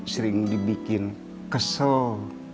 sering dibikin kesel